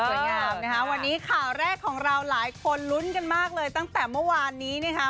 นะคะวันนี้ข่าวแรกของเราหลายคนลุ้นกันมากเลยตั้งแต่เมื่อวานนี้นะคะ